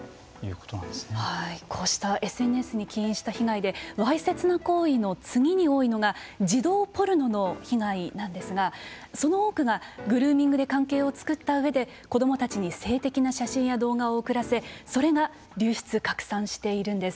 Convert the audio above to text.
こうしたＳＮＳに起因した被害でわいせつな行為の次に多いのが児童ポルノの被害なんですがその多くがグルーミングで関係を作った上で子どもたちに性的な写真や動画を送らせそれが流出、拡散しているんです。